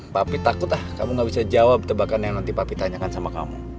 papi takut ah kamu gak bisa jawab tebakan yang nanti papi tanyakan sama kamu